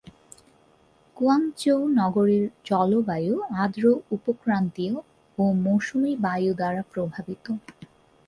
Guangzhou নগরীর জলবায়ু আর্দ্র উপক্রান্তীয় ও মৌসুমী বায়ু দ্বারা প্রভাবিত।